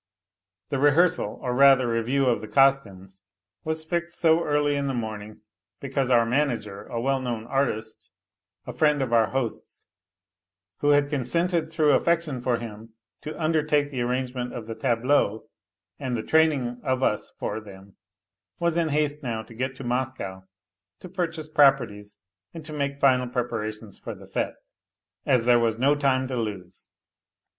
The rehearsal, or rathei review of the costumes, was fixed so early in (lie morning b< cause our manager, a well known artist, a friend of our host's, whc had consented through affection for him to undertake the arrangement of the tableaux and the training of us for them, was in haste no\v to get to Moscow to purchase projx'rlies and to make final preparations for the fete, as there was no time to A LITTLE HERO 236 lose.